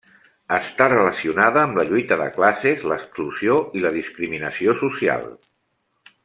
Està relacionada amb la lluita de classes, l'exclusió i la discriminació social.